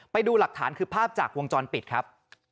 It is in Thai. ไปดูหลักฐานคือภาพจากวงจรปิดครับ